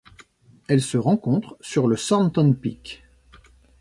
Elle se rencontre sur le Thornton Peak.